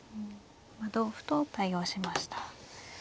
今同歩と対応しました。